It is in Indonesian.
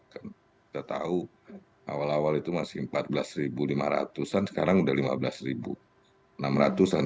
kita tahu awal awal itu masih empat belas ribu lima ratus an sekarang sudah lima belas ribu enam ratus an